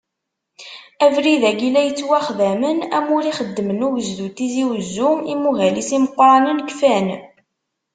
Abrid-agi la yettwaxdamen, amur ixeddem ugezdu n Tizi Uzzu, imuhal-is imeqqranen kfan.